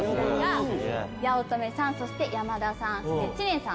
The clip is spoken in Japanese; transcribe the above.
八乙女さんそして山田さん知念さん。